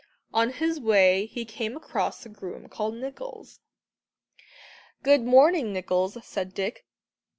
On his way he came across a groom called Nicholls. "Good morning, Nicholls," said Dick.